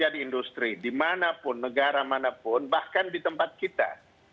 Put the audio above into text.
ya di industri di manapun negara manapun bahkan di tempat kita